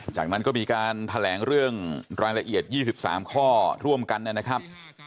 จากนั้นก็มีการแถลงเรื่องรายละเอียด๒๓ข้อร่วมกันนะครับ